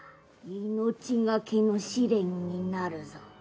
命懸けの試練になるぞ。